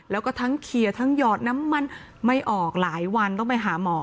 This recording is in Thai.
แล้วก็ทั้งเคลียร์ทั้งหยอดน้ำมันไม่ออกหลายวันต้องไปหาหมอ